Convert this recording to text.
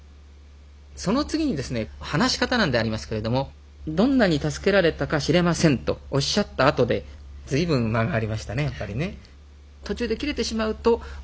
その次にですね話し方なんでありますけれども「どんなに助けられたかしれません」とおっしゃったあとでそしてこう締めくくった。